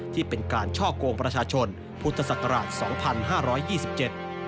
ที่เป็นการชอกโกงประชาชนพุทธศักราช๒๕๒๗